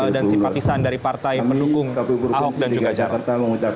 dan simpatisan dari partai pendukung ahok dan juga jarot